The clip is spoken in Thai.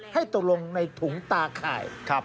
ให้ตกลงในถุงตาข่าย